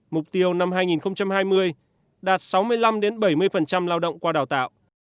mục tiêu năm hai nghìn hai mươi đạt sáu mươi năm bảy mươi lao động qua đào tạo